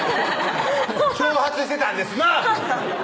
挑発してたんですなぁ！